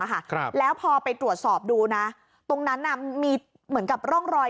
ค่ะครับแล้วพอไปตรวจสอบดูนะตรงนั้นน่ะมีเหมือนกับร่องรอย